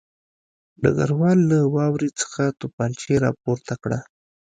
ډګروال له واورې څخه توپانچه راپورته کړه